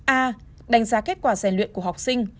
a đánh giá kết quả rèn luyện của học sinh